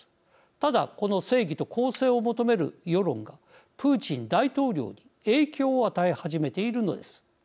ただ、この正義と公正を求める世論がプーチン大統領に影響を与え始めているのです。